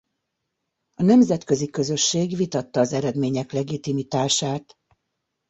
A nemzetközi közösség vitatta az eredmények legitimitását.